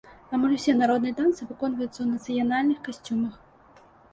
Амаль усе народныя танцы выконваюцца ў нацыянальных касцюмах.